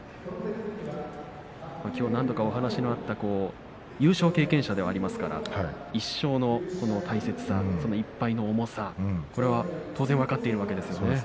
きょう何度かお話があった優勝経験者ではありますから１勝の大切さ、１敗の重さこれは当然分かっているわけですね。